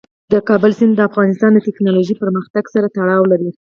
د کابل سیند د افغانستان د تکنالوژۍ پرمختګ سره تړاو لري.